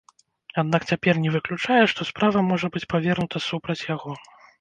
Аднак цяпер не выключае, што справа можа быць павернута супраць яго.